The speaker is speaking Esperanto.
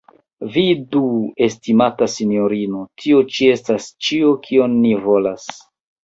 Vidu, estimata sinjorino, tio ĉi estas ĉio, kion ni volas!